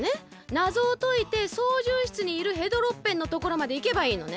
なぞをといてそうじゅう室にいるヘドロッペンのところまでいけばいいのね。